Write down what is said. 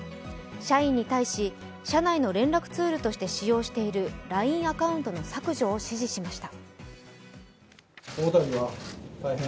社員に対し、社内の連絡ツールとして使用しているＬＩＮＥアカウントの削除を指示しました。